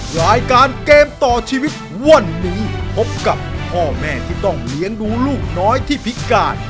รายการเกมต่อชีวิตวันนี้พบกับพ่อแม่ที่ต้องเลี้ยงดูลูกน้อยที่พิการ